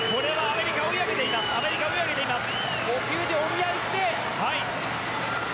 アメリカが追い上げています。